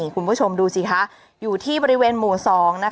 คุณผู้ชมดูสิคะอยู่ที่บริเวณหมู่๒